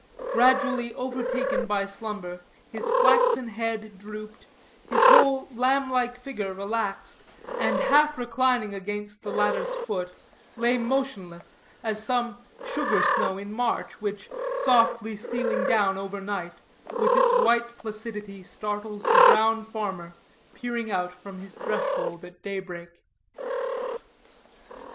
Gradually overtaken by slumber, his flaxen head drooped, his whole lamb like figure relaxed, and, half reclining against the ladder's foot, lay motionless, as some sugar snow in March, which, softly stealing down over night, with its white placidity startles the brown farmer peering out from his threshold at daybreak.